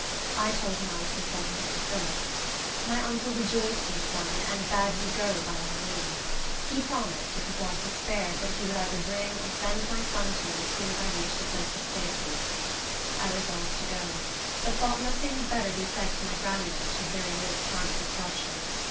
I told him I would consult with uncle Phillip. My uncle rejoiced in the plan, and bade me go by all means. He promised, if his life was spared, that he would either bring or send my son to me as soon as I reached a place of safety. I resolved to go, but thought nothing had better be said to my grandmother till very near the time of departure.